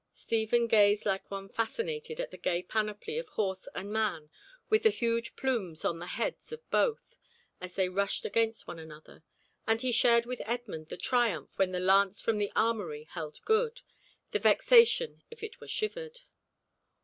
Stephen gazed like one fascinated at the gay panoply of horse and man with the huge plumes on the heads of both, as they rushed against one another, and he shared with Edmund the triumph when the lance from their armoury held good, the vexation if it were shivered.